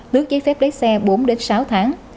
nước giấy phép lấy xe bốn đến sáu tháng